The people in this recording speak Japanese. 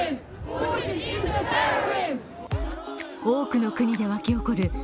多くの国でわき起こる